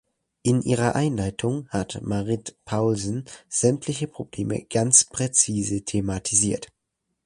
In ihrer Einleitung hat Marit Paulsen sämtliche Probleme ganz präzise thematisiert.